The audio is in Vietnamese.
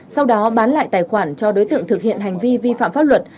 sau đó bán lại tài khoản cho đối tượng thực hiện hành vi vi phạm pháp luật